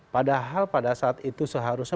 padahal pada saat itu seharusnya